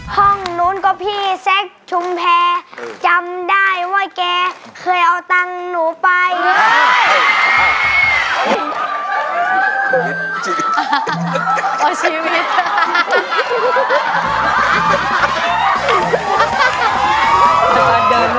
ห้องนู้นก็พี่แซคชุมแพร์